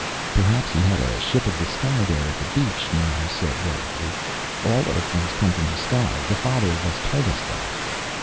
"Perhaps he had a ship of the sky there at the beach," Nrana said worriedly. "All Earthlings come from the sky. The Father of Us told us that."